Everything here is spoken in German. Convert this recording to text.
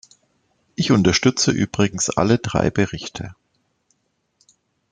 Ich unterstütze übrigens alle drei Berichte.